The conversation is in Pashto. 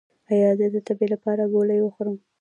ایا زه د تبې لپاره ګولۍ وخورم؟